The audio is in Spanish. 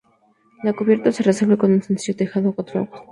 La cubierta se resuelve con un sencillo tejado a cuatro aguas.